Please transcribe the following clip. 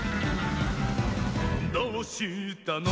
「どうしたの？